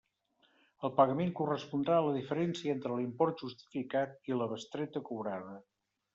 El pagament correspondrà a la diferència entre l'import justificat i la bestreta cobrada.